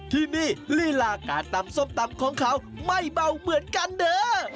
ที่นี่ลีลาการตำส้มตำของเขาไม่เบาเหมือนกันเด้อ